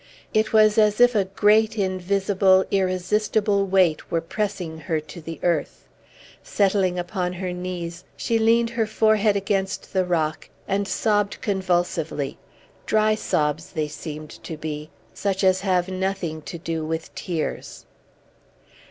It was as if a great, invisible, irresistible weight were pressing her to the earth. Settling upon her knees, she leaned her forehead against the rock, and sobbed convulsively; dry sobs they seemed to be, such as have nothing to do with tears.